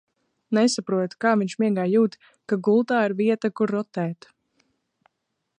Nesaprotu, kā viņš miegā jūt, ka gultā ir vieta, kur rotēt.